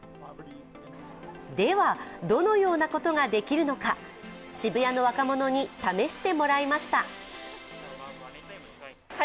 では、どのようなことができるのか渋谷の若者に試してもらいました。